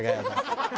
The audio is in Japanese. ハハハハ！